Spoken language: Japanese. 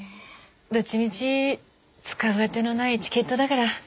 どっちみち使うあてのないチケットだから。